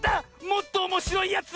もっとおもしろいやつ！